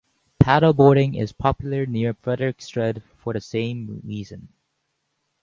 Paddleboarding is popular near Frederiksted for the same reason.